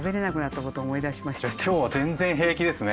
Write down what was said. じゃあ今日は全然平気ですね。